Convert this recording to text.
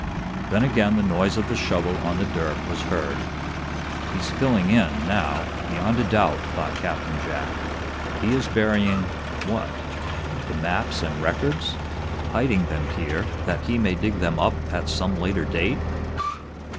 Then again the noise of the shovel on the dirt was heard. "He's filling in, now, beyond a doubt," thought Captain Jack. "He is burying what? The maps and records? Hiding them here that he may dig them up at some later date?"